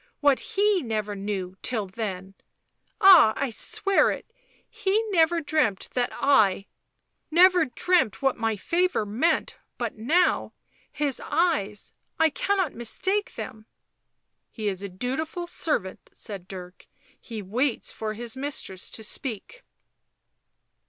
— what he never knew till then — ah, I swear it, he never dreamt that I — never dreamt what my favour meant, but now — his— eyes — I cannot mistake them." " He is a dutiful servant," said Dirk, " he waits for his mistress to speak."